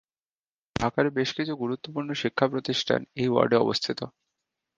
ঢাকার বেশ কিছু গুরুত্বপূর্ণ শিক্ষা প্রতিষ্ঠান এই ওয়ার্ডে অবস্থিত।